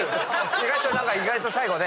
意外と何か意外と最後ね。